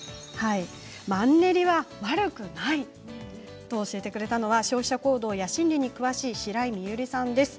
マンネリは悪くないと教えてくれたのは消費者行動や心理に詳しい白井美由里さんです。